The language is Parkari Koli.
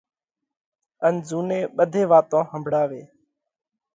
ان زُوني ٻڌي واتون ۿمڀۯاوي۔